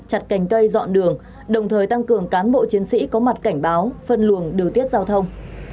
chặt cành cây dọn đường đồng thời tăng cường cán bộ chiến sĩ có mặt cảnh báo phân luồng điều tiết giao thông